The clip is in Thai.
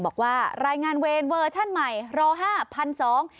บอกว่ารายงานเวรเวอร์ชันใหม่รอ๕๐๐๐ซอง